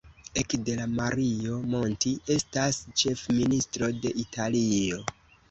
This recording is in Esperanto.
Ekde la Mario Monti estas ĉefministro de Italio.